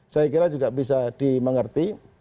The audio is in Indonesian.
saya kira juga bisa dimengerti